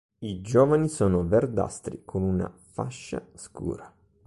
I giovani sono verdastri con una fascia scura.